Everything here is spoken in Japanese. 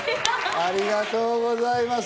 ありがとうございます。